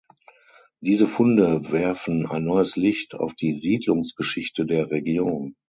Diese Funde werfen ein neues Licht auf die Siedlungsgeschichte der Region.